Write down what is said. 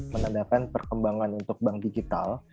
menandakan perkembangan untuk bank digital